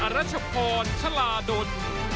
รัชพรชะลาดล